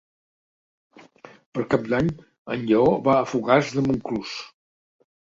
Per Cap d'Any en Lleó va a Fogars de Montclús.